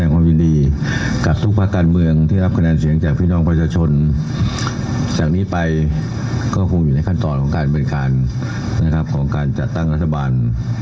ของการเบนคานของการจัดตั้งรัฐบาล